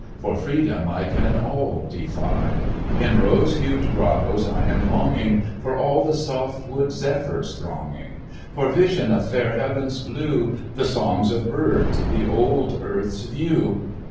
For freedom I can all defy: In rose hued grottos I am longing For all the soft wood zephyrs thronging, For vision of fair heaven's blue, The songs of birds, the old earth's view!